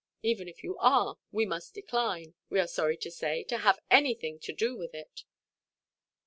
Even if you are, we must decline, we are sorry to say, to have anything to do with it."